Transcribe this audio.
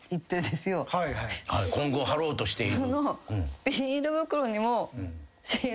今後貼ろうとしている。